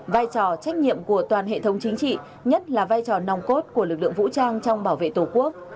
vai trò trách nhiệm của toàn hệ thống chính trị nhất là vai trò nòng cốt của lực lượng vũ trang trong bảo vệ tổ quốc